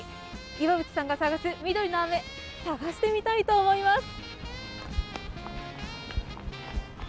岩渕さんが探す「緑の雨」探してみたいと思います。